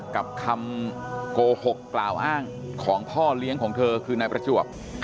กับคำโกหกกล่าวอ้างของพ่อเลี้ยงของเธอคือนายประจวบ